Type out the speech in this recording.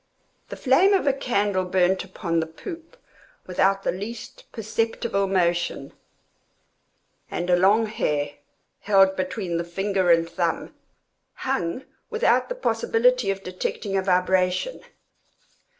The flame of a candle burned upon the poop without the least perceptible motion, and a long hair, held between the finger and thumb, hung without the possibility of detecting a vibration.